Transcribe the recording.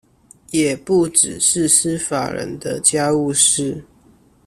也不只是司法人的家務事